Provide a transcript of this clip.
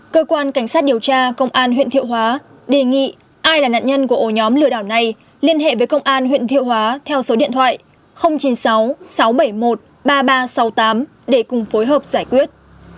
cơ quan cảnh sát điều tra công an huyện thiệu hóa đề nghị ai là nạn nhân của ổ nhóm lừa đảo này liên hệ với công an huyện thiệu hóa theo số điện thoại chín mươi sáu sáu trăm bảy mươi một ba nghìn ba trăm sáu mươi tám để cùng phối hợp giải quyết